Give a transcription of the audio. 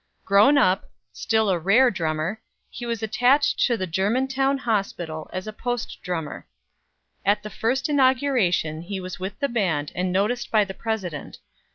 Grown up, still a rare drummer, he was attached to the Germantown Hospital as post drummer. At the first inauguration he was with the band and noticed by the President.